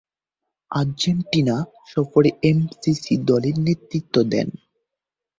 Argentina সফরে MCC দলের নেতৃত্ব দেন।